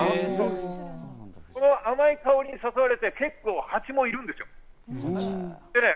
この甘い香りに誘われて、結構、蜂もいるんですよ。